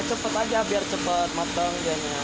cepat aja biar cepat matang